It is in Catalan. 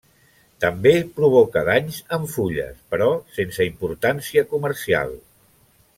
També provoca danys en fulles, però sense importància comercial.